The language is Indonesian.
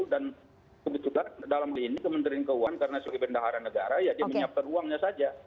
dan kebetulan dalam hal ini kementerian keuangan karena sebagai pendahara negara ya dia menyiapkan uangnya saja